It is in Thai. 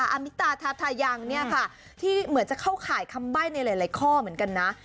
อามิตาทาทายังเนี่ยค่ะที่เหมือนจะเข้าข่ายคำใบ้ในหลายข้อเหมือนกันนะ